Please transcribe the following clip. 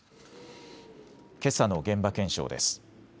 けさの現場検証です。